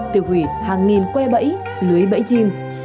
tiêu hủy hàng nghìn que bẫy lưới bẫy chim